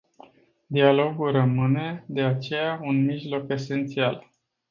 Dialogul rămâne, de aceea, un mijloc esențial.